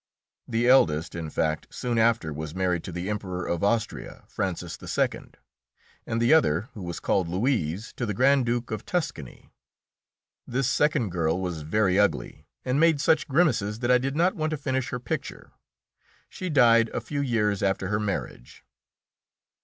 The eldest, in fact, soon after was married to the Emperor of Austria, Francis II., and the other, who was called Louise, to the Grand Duke of Tuscany. This second girl was very ugly, and made such grimaces that I did not want to finish her picture. She died a few years after her marriage.